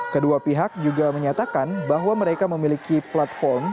kedua pihak juga menyatakan bahwa mereka memiliki platform